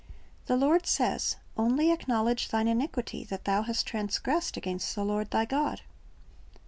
The Lord says, "Only acknowledge thine iniquity, that thou hast transgressed against the Lord thy God."